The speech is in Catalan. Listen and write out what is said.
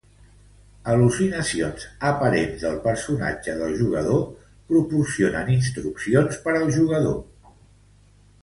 Al·lucinacions aparents del personatge del jugador proporcionen instruccions per al jugador.